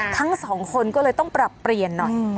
ทั้งสองคนก็เลยต้องปรับเปลี่ยนหน่อย